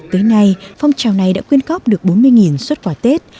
tới nay phong trào này đã quyên góp được bốn mươi xuất quà tết